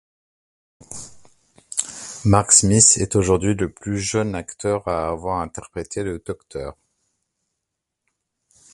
Matt Smith est aujourd’hui le plus jeune acteur à avoir interprété le Docteur.